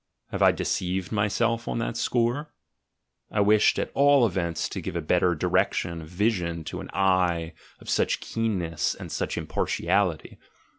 Have I deceived myself on that score? I wished at all events to give a better direction of vision to an eye of such keenness and such impartiality.